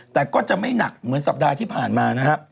แต่ก็จะไม่หนักเหมือนสัปดาห์ที่ผ่านมานะฮะ